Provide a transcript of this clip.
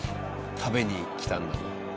食べに来たんだもの。